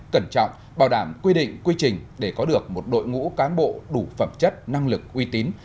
cẩn trọng bảo đảm quy định quy trình để có được một đội ngũ cán bộ đủ phẩm chất năng lực uy tín